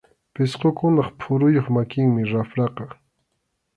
Pisqukunap phuruyuq makinmi rapraqa.